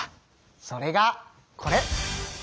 それがこれ！